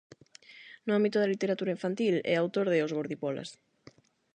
No ámbito da literatura infantil, é autor de "Os gordibolas".